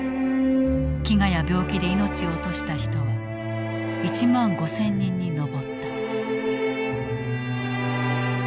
飢餓や病気で命を落とした人は１万５，０００人に上った。